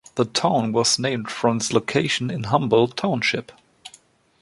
The town was named from its location in Humboldt Township.